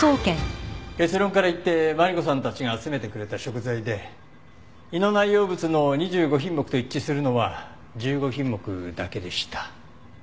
結論から言ってマリコさんたちが集めてくれた食材で胃の内容物の２５品目と一致するのは１５品目だけでした。